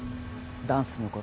ダンスの事。